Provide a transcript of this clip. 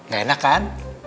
gak enak kan